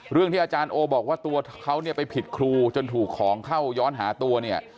ที่อาจารย์โอบอกว่าตัวเขาเนี่ยไปผิดครูจนถูกของเข้าย้อนหาตัวเนี่ย